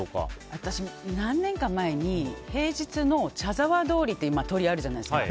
私は何年か前に平日の茶沢通りっていう通りがあるじゃないですか。